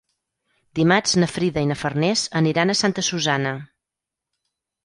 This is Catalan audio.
Dimarts na Frida i na Farners aniran a Santa Susanna.